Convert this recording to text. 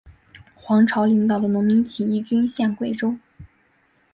黄巢领导的农民起义军陷桂州。